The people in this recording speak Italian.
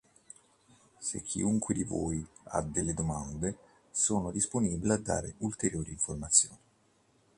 Se chiunque di voi ha delle domande, sono disponibile a dare ulteriori informazioni.